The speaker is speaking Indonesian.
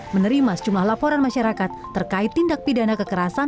menerima sejumlah laporan masyarakat terkait tindak pidana kekerasan